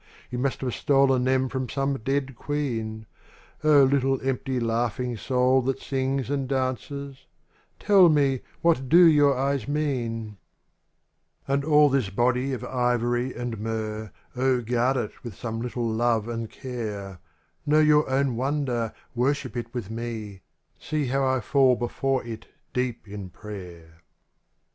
You must have stolen them from some dead queen; O little empty laughing soul that sings And dances — tell me what do your eyes mean 1 ND all this body of ivory and myrrh, O guard it with some little love and care — Know your own wonder, worship it with me. See how I fall before it deep in prayer.